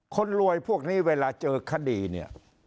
คนรวยพวกนี้เวลาเจอคดีเนี่ย